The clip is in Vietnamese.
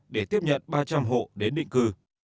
để tiếp nhận ba trăm linh hộ đến định cư